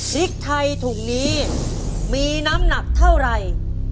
พริกไทยถุงนี้มีน้ำหนักเท่าไหร่